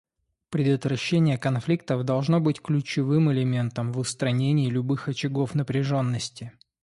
Предотвращение конфликтов должно быть ключевым элементом в устранении любых очагов напряженности.